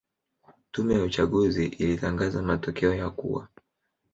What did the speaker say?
Tume ya uchaguzi ilitangaza matokeo ya kuwa